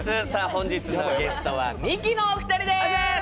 本日のゲストはミキの２人です。